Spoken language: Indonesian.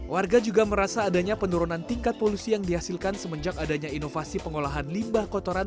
warga juga merasa adanya penurunan tingkat polusi yang dihasilkan semenjak adanya inovasi pengolahan limbah kotoran